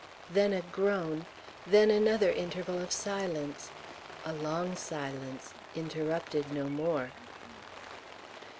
Then a groan, then another interval of silence a long silence, interrupted no more.